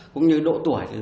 cũng như độ tuổi